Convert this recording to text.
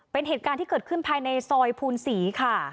เป็นเหตุการณ์ที่เกิดขึ้นภายในซอยภูนศรีค่ะ